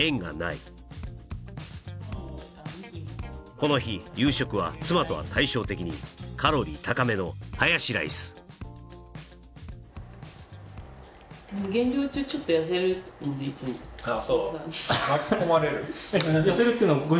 この日夕食は妻とは対照的にカロリー高めのハヤシライスあ